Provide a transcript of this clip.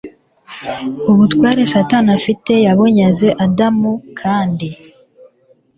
Ubutware Satani afite yabunyaze Adamu kandi